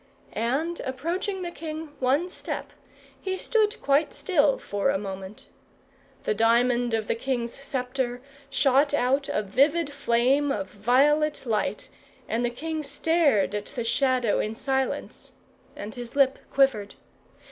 And approaching the king one step, he stood quite still for a moment. The diamond of the king's sceptre shot out a vivid flame of violet light, and the king stared at the Shadow in silence, and his lip quivered.